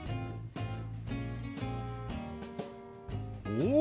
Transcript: お！